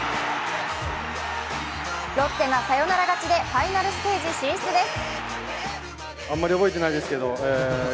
ロッテがサヨナラ勝ちでファイナルステージ進出です。